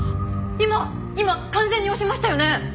今完全に押しましたよね？